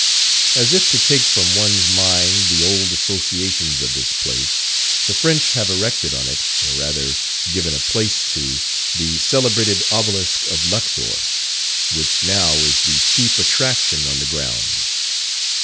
As if to take from one's mind the old associations of this place, the French have erected on it, or rather given a place to, the celebrated obelisk of Luxor, which now is the chief attraction on the grounds.